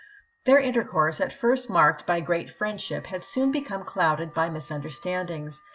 Their intercourse, at first marked by great friendship, had soon become clouded by misun derstandings.